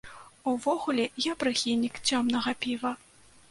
Увогуле, я прыхільнік цёмнага піва.